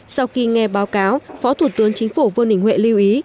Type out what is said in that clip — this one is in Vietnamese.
sau khi nghe báo cáo phó thủ tướng chính phủ vương đình huệ lưu ý